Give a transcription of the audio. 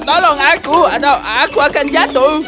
tolong aku atau aku akan jatuh